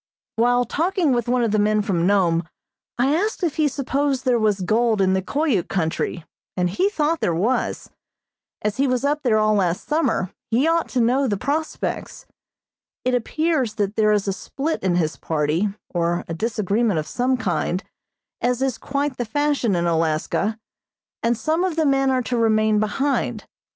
While talking with one of the men from Nome I asked if he supposed there was gold in the Koyuk country, and he thought there was. As he was up there all last summer, he ought to know the prospects. It appears that there is a split in his party, or a disagreement of some kind, as is quite the fashion in Alaska, and some of the men are to remain behind.